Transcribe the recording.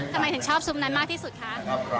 ทำไมถึงชอบซุปนั้นมากที่สุดคะ